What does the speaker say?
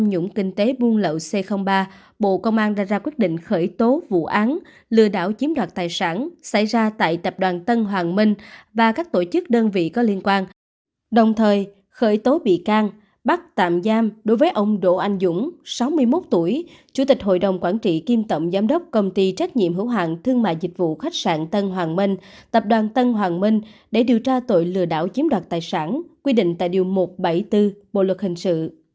một bí ẩn những kinh tế buôn lậu c ba bộ công an ra ra quyết định khởi tố vụ án lừa đảo chiếm đoạt tài sản xảy ra tại tập đoàn tân hoàng minh và các tổ chức đơn vị có liên quan đồng thời khởi tố bị can bắt tạm giam đối với ông đỗ anh dũng sáu mươi một tuổi chủ tịch hội đồng quản trị kim tậm giám đốc công ty trách nhiệm hữu hoạng thương mại dịch vụ khách sạn tân hoàng minh tập đoàn tân hoàng minh để điều tra tội lừa đảo chiếm đoạt tài sản quy định tại điều một trăm bảy mươi bốn bộ luật hình sự